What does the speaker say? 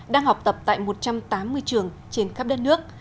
đang học tập tại một trăm tám mươi trường trên khắp đất nước